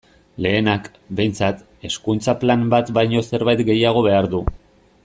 Lehenak, behintzat, Hezkuntza Plan bat baino zerbait gehiago behar du.